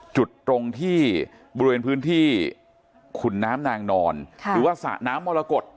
จุดตรงที่บริเวณพื้นที่ขุนน้ำนางนอนหรือว่าสระน้ำมรกฏ